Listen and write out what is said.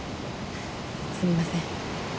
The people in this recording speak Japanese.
すいません。